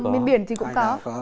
miền biển thì cũng có